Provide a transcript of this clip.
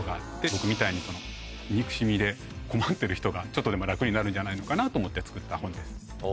僕みたいに憎しみで困ってる人がちょっとでも楽になるんじゃないのかなと思って作った本です。